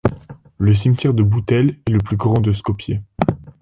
Le cimetière de Boutel est le plus grand de Skopje.